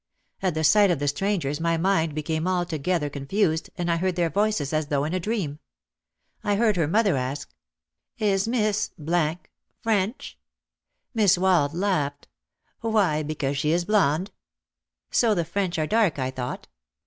At the sight of the strangers my mind became altogether confused and I heard their voices as though in a dream. I heard her mother ask: "Is Miss French ?" Miss Wald laughed. "Why, because she is blonde?" So the French are dark, I thought.